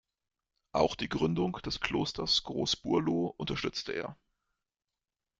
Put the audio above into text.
Auch die Gründung des Klosters Groß-Burlo unterstützte er.